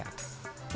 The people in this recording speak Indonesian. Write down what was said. pilih bahan pewarnaan